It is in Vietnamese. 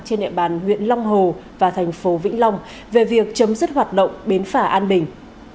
trên địa bàn huyện long hồ và thành phố vĩnh long về việc chấm dứt hoạt động bến phả an bình